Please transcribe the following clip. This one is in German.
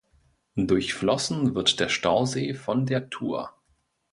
Durchflossen wird der Stausee von der Thur.